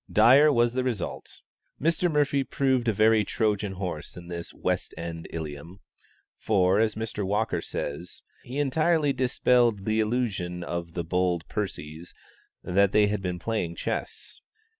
Dire was the result; Mr. Murphy proved a very Trojan horse in this West End Ilium: for, as Mr. Walker says, "he entirely dispelled the illusion of the 'bold Percies' that they had been playing chess."